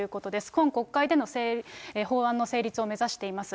今国会での法案の成立を目指しています。